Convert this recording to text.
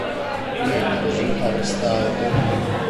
Viene così arrestato.